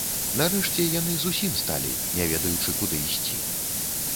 Нарэшце яны зусім сталі, не ведаючы куды ісці.